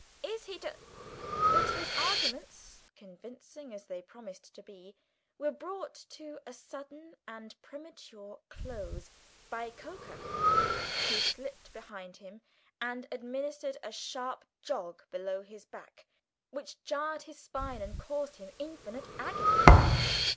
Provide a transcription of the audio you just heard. Is he to " But his arguments, convincing as they promised to be, were brought to a sudden and premature close by Coker, who slipped behind him and administered a sharp jog below his back, which jarred his spine and caused him infinite agony.